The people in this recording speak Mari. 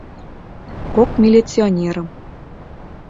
Кок милиционерым.